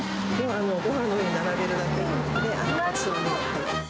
ごはんの上に並べるだけでごちそうに。